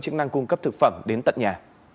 chức năng cung cấp thực phẩm đến tận nhà